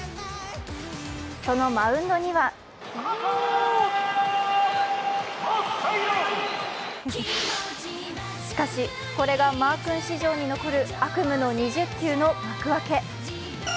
そのマウンドにはしかし、これがマー君史上に残る悪夢の２０球の幕開け。